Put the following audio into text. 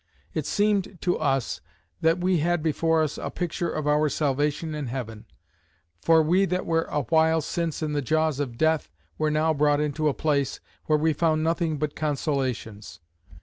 It seemed to us, that we had before us a picture of our salvation in Heaven; for we that were a while since in the jaws of death, were now brought into a place, where we found nothing but consolations.